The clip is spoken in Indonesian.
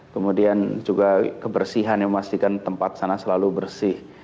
kemudian juga kebersihan yang memastikan tempat sana selalu bersih